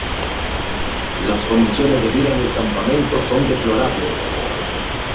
Las condiciones de vida en el campamento son deplorables.